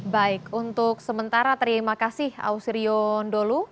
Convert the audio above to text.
baik untuk sementara terima kasih ausirion dholu